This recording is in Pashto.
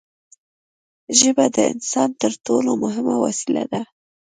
ژبه د انسان تر ټولو مهمه وسیله ده.